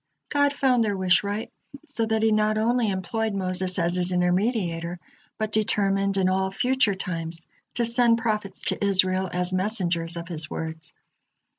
God found their wish right, so that He not only employed Moses as His intermediator, but determined in all future times to send prophets to Israel as messengers of His words.